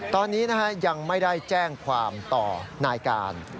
ตอนนี้ยังไม่ได้แจ้งความต่อนายการ